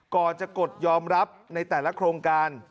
ก่อนจะกดยอมรับในแต่ละโครงการ